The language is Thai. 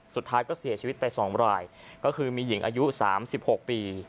สุดท้ายก็เสียชีวิตไป๒รายก็คือมีหญิงอายุ๓๖ปี